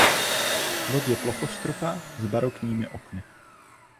Loď je plochostropá s barokními okny.